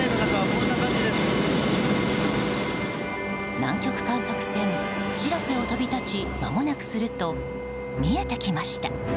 南極観測船「しらせ」を飛び立ち、間もなくすると見えてきました。